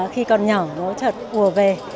khi còn nhỏ nó trật ùa về